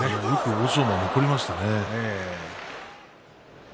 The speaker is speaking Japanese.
欧勝馬よく残りましたね。